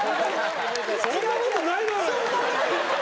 そんなことない２人で。